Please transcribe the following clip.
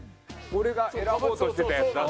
俺が選ぼうとしてたやつだって。